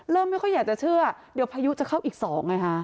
ไม่ค่อยอยากจะเชื่อเดี๋ยวพายุจะเข้าอีก๒ไงฮะ